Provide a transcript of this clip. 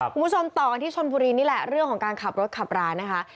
คุณผู้ชมต่อกันที่ชนบุรีนี่แหละเรื่องของการขับรถขับร้านนะคะ